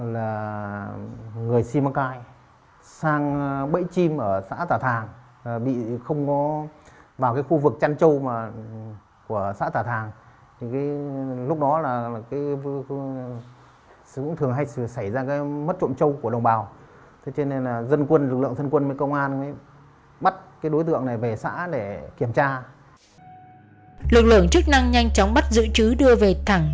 lực lượng chức năng nhanh chóng bắt giữ chứ đưa về thẳng